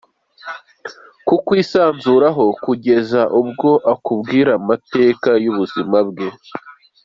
Kukwisanzuraho kugeza ubwo akubwira amateka y’ubuzima bwe.